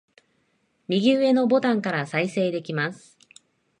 右上のボタンから再生できます